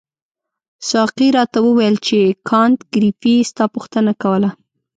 ساقي راته وویل چې کانت ګریفي ستا پوښتنه کوله.